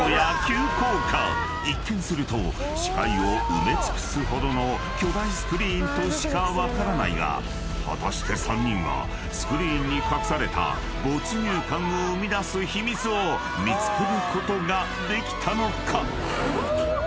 ［一見すると視界を埋め尽くすほどの巨大スクリーンとしか分からないが果たして３人はスクリーンに隠された没入感を生み出す秘密を見つけることができたのか？］